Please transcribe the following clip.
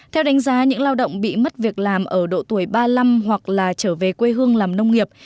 nhiều người lao động bị mất việc làm ở độ tuổi ba mươi năm hoặc là trở về quê hương làm nông nghiệp